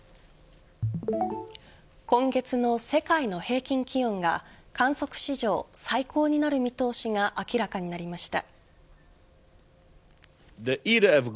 今月の世界の平均気温が観測史上最高になる見通しが明らかになりました。